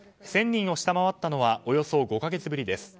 １０００人を下回ったのはおよそ５か月ぶりです。